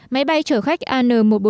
máy bay chở khách an một trăm bốn mươi bốn